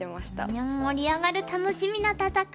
いや盛り上がる楽しみな戦い。